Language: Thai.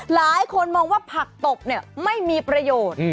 หลายคนมองว่าผักตบไม่มีประโยชน์